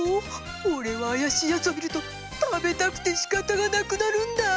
俺は怪しいヤツを見ると食べたくてしかたがなくなるんだ。